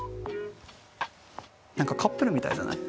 何かカップルみたいじゃない？